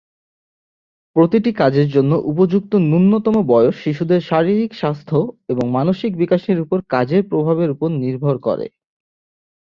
প্রতিটি কাজের জন্য উপযুক্ত ন্যূনতম বয়স শিশুদের শারীরিক স্বাস্থ্য এবং মানসিক বিকাশের উপর কাজের প্রভাবের উপর নির্ভর করে।